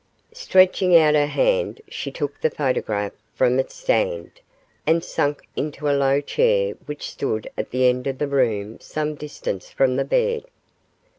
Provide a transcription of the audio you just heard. Stretching out her hand she took the photograph from its stand, and sank into a low chair which stood at the end of the room some distance from the bed.